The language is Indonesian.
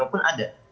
yang diundang pun ada